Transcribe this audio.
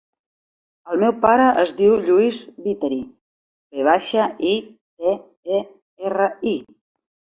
El meu pare es diu Lluís Viteri: ve baixa, i, te, e, erra, i.